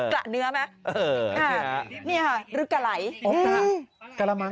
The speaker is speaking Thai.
กระเนื้อไหมนี่ค่ะหรือกะไหล่อ๋อนี่ค่ะกะละมัง